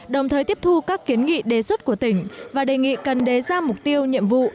đồng thời tiếp thu các kiến nghị đề xuất của tỉnh và đề nghị cần đề ra mục tiêu nhiệm vụ